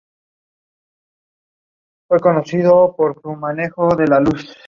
Además, en San Francisco, Patterson fue seis veces Campeón de los Estados Unidos.